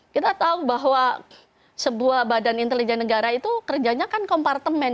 kita tahu bahwa sebuah badan intelijen negara itu kerjanya kan kompartemen